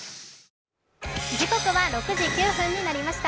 時刻は６時９分になりました。